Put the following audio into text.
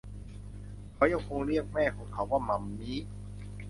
เขายังคงเรียกแม่ของเขาว่า หมั่มมี้